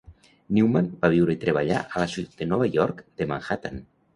Newman va viure i treballar a la Ciutat de Nova York de Manhattan.